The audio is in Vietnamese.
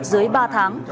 dưới ba tháng